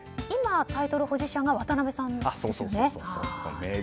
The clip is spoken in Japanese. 今、タイトル保持者が渡辺さんなんですね。